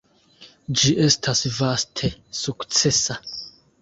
Ĝi estas vaste sukcesa.